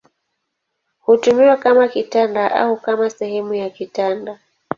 Hutumiwa kama kitanda au kama sehemu ya kitanda.